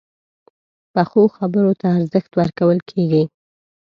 پخو خبرو ته ارزښت ورکول کېږي